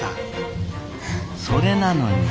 それなのに。